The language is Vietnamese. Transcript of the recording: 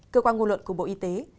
cơ quan ngôn luận của bộ y tế